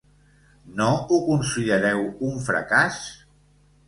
No ho considereu un fracàs?